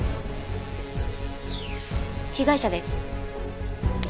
被害者です。